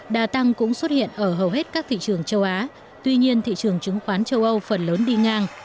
đà tăng cũng xuất hiện ở hầu hết các thị trường châu á tuy nhiên thị trường chứng khoán châu âu phần lớn đi ngang